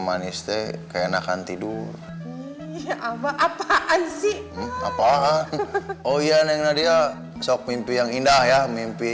maniste keenakan tidur apa apaan sih apaan oh iya neng nadia sok mimpi yang indah ya mimpi